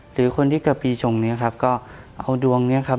หรือคนที่เกิดปีชงเนี่ยครับก็เอาดวงนี้ครับ